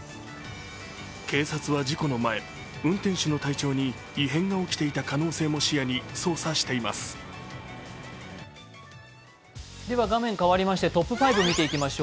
警察は事故の前、運転手の体調に異変が起きていた可能性を視野に捜査しています。